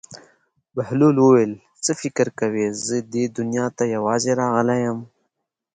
بهلول وویل: څه فکر کوې زه دې دنیا ته یوازې راغلی یم.